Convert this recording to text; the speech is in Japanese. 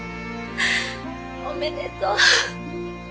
おめでとう。